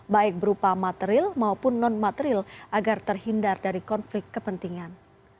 baik berupa material maupun non material agar terhindar dari konflik kepentingan